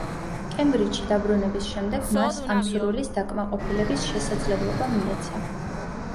კემბრიჯში დაბრუნების შემდეგ მას ამ სურვილის დაკმაყოფილების შესაძლებლობა მიეცა.